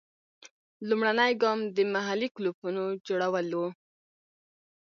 لومړنی ګام د محلي کلوپونو جوړول وو.